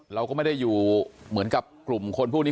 เราก็ไม่ได้อยู่เหมือนกับกลุ่มคนพวกนี้